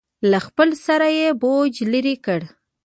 له خپل سره یې بوج لرې کړ.